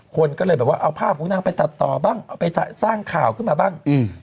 คนก็เลยแบบว่าเอาภาพของนางไปตัดต่อบ้างเอาไปสร้างข่าวขึ้นมาบ้าง